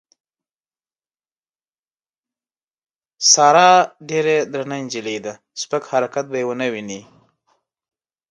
ساره ډېره درنه نجیلۍ ده سپک حرکت به یې ونه وینې.